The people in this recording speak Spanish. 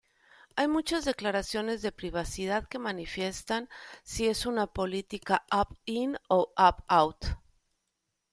Hay muchas declaraciones de privacidad que manifiestan si es una política opt-in u opt-out.